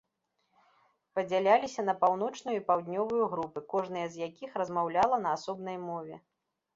Падзяляліся на паўночную і паўднёвую групы, кожная з якіх размаўляла на асобнай мове.